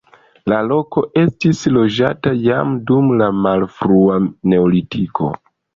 La loko estis loĝata jam dum la malfrua neolitiko.